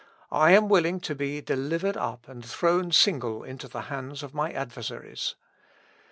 I am willing to be delivered up and thrown single into the hands of my adversaries.